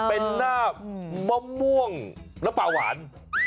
เป็นหน้ามะม่วงน้ำปลาหวาน